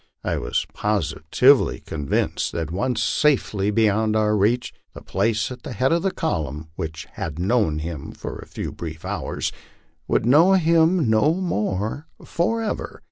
I was positively convinced that once safely beyond our reach, the place at the head of the column, which had known him for a few brief hours, would know him no more forever.